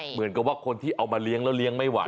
เหมือนกับว่าคนที่เอามาเลี้ยงแล้วเลี้ยงไม่ไหว